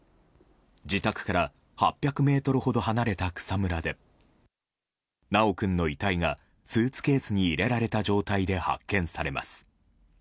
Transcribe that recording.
自宅から８００ｍほど離れた草むらで修君の遺体がスーツケースに入れられた状態で発見されます。